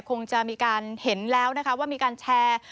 คงจะเห็นแล้วว่ามีการแชร์